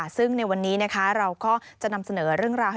ซึ่งในวันนี้เราก็จะนำเสนอเรื่องราว